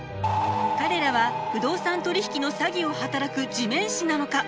彼らは不動産取引の詐欺を働く地面師なのか？